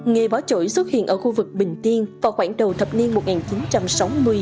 nghề bó chổi xuất hiện ở khu vực bình tiên vào khoảng đầu thập niên một nghìn chín trăm sáu mươi